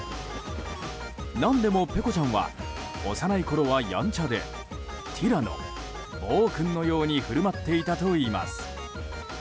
何でも、ぺこちゃんは幼いころはやんちゃでティラノ、暴君のように振る舞っていたといいます。